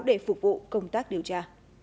để phục vụ công tác điều tra